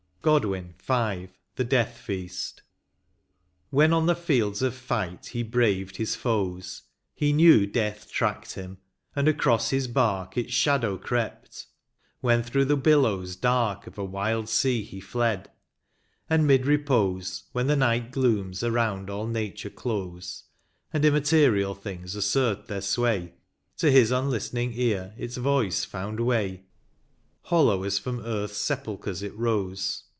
167 LXXXIII. GODWIN. — V. THE DEATH FEAST. When on the fields of fight he braved his foes. He knew death tracked him ; and across his bark Its shadow crept, when through the billows dark Of a wild sea he fled; and 'mid repose, When the night glooms around all qature close, And immaterial things assert their sway, To his unlistening ear its voice found way. Hollow as from earth's sepulchres it rose.